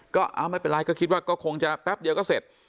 ก็ไม่เป็นไรก็คิดว่าก็คงจะแป๊บเดียวก็เสร็จ